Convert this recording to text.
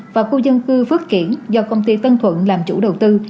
và khu dân cư phước kiển do công ty tân thuận làm chủ đầu tư